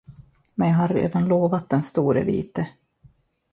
Men jag har redan lovat den store vite.